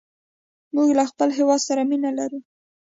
موږ له خپل هېواد سره مینه لرو.